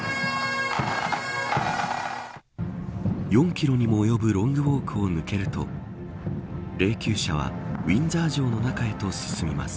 ４キロにも及ぶロングウォークを抜けると霊柩車はウィンザー城の中へと進みます。